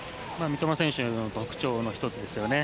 三笘選手の特徴の１つですよね。